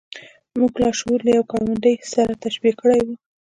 موږ لاشعور له يوې کروندې سره تشبيه کړی و.